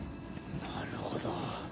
なるほど。